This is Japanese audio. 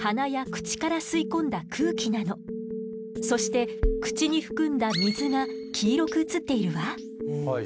そして口に含んだ「水」が黄色く映っているわ。